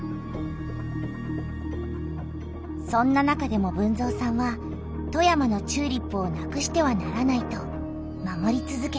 そんな中でも豊造さんは富山のチューリップをなくしてはならないと守りつづけた。